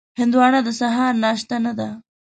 هندوانه د سهار ناشته نه ده.